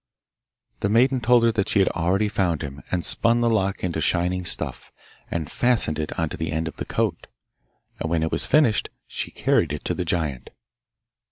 The maiden told her that she had already found him, and spun the lock into shining stuff, and fastened it on to the end of the coat. And when it was finished she carried it to the giant.